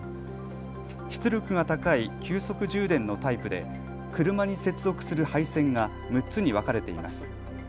出力が高い急速充電のタイプで車に接続する配線が６つに分かれています。